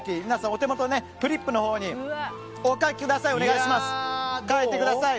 お手元のフリップのほうにお書きください。